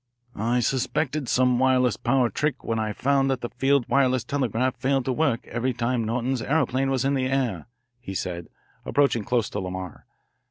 "I suspected some wireless power trick when I found that the field wireless telegraph failed to work every time Norton's aeroplane was in the air," he said, approaching close to Lamar.